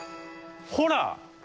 ほら！